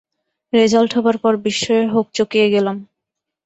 Result হবার পর বিস্ময়ে হকচকিয়ে গেলাম।